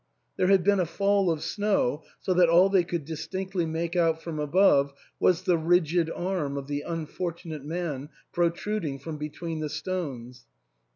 There had been a fall of snow, so that all they could distinctly make out from above was the rigid arm of the unfortunate man protruding from between the stones.